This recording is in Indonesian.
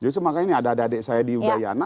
justru makanya ini ada adik adik saya di udayana